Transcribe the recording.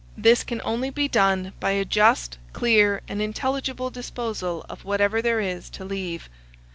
This can only be done by a just, clear, and intelligible disposal of whatever there is to leave.